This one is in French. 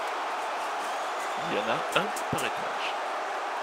Il y en a un par étage.